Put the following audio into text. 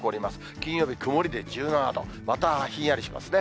金曜日、曇りで１７度、またひんやりしますね。